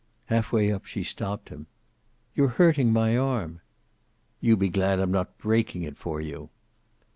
Half way up she stopped. "You're hurting my arm." "You be glad I'm not breaking it for you."